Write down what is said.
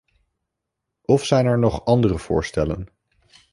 Of zijn er nog andere voorstellen?